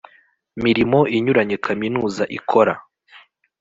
mirimo inyuranye Kaminuza ikora